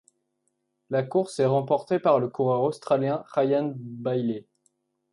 La course est remportée par le coureur Australien Ryan Bayley.